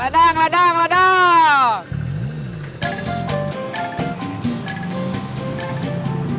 ladang ladang ladang